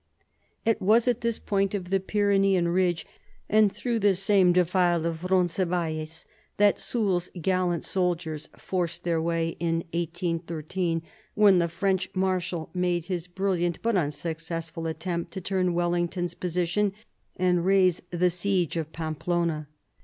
It was at this same point of the Pyrenean ridge and through this same defile of Roncesvalles that Soult's gallant soldiers forced their way in 1813, when the French marshal made his brilliant, but unsuccessful, attempt to turn "Wellington's position and raise the siege of Pampelona.